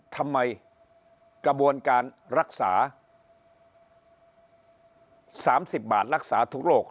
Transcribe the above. ทำไมกระบวนการรักษา๓๐บาทรักษาทุกโรค